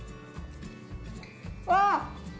わあ！